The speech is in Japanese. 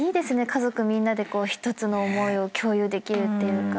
家族みんなで一つの思いを共有できるっていうか。